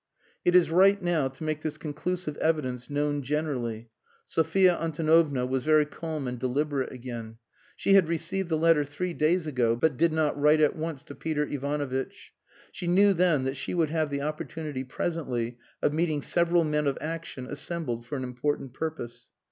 "It is right now to make this conclusive evidence known generally." Sophia Antonovna was very calm and deliberate again. She had received the letter three days ago, but did not write at once to Peter Ivanovitch. She knew then that she would have the opportunity presently of meeting several men of action assembled for an important purpose.